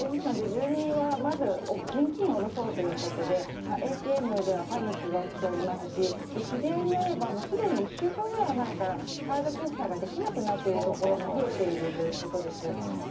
住民はまず現金を下ろそうということでＡＴＭではパニックが起きていますし知り合いによるとすでに１週間前からカード決済ができなくなっている所も増えているということです。